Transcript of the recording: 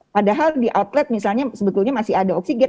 padahal di outlet misalnya sebetulnya masih ada oksigen